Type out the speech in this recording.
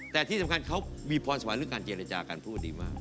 แต่ที่สำคัญเขามีพรสวรรค์เรื่องการเจรจาการพูดดีมาก